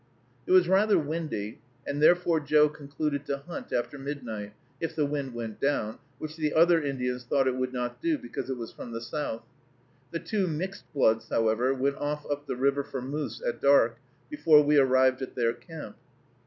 It was rather windy, and therefore Joe concluded to hunt after midnight, if the wind went down, which the other Indians thought it would not do, because it was from the south. The two mixed bloods, however, went off up the river for moose at dark, before we arrived at their camp.